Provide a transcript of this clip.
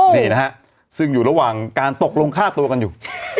นี่นะฮะซึ่งอยู่ระหว่างการตกลงฆ่าตัวกันอยู่